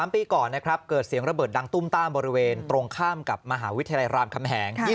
ปีก่อนนะครับเกิดเสียงระเบิดดังตุ้มต้ามบริเวณตรงข้ามกับมหาวิทยาลัยรามคำแหง